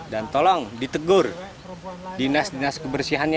dan tolong ditegur dinas dinas kebersihannya